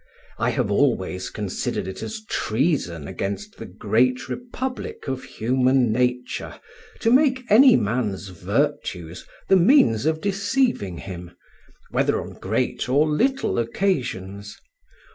I have always considered it as treason against the great republic of human nature to make any man's virtues the means of deceiving him, whether on great or little occasions.